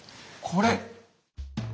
これ。